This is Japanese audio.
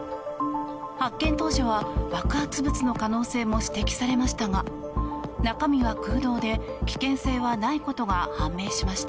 発見当初は爆発物の可能性も指摘されましたが中身は空洞で危険性はないことが判明しました。